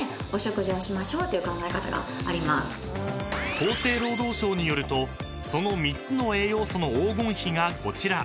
［厚生労働省によるとその３つの栄養素の黄金比がこちら］